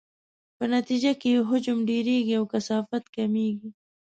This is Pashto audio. په نتیجې کې یې حجم ډیریږي او کثافت کمیږي.